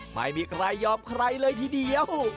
ไม่มีใครยอมใครเลยทีเดียว